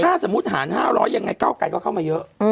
ถ้าสมมุติหาร๕๐๐ยังไงเก้าไกลก็เข้ามาเยอะ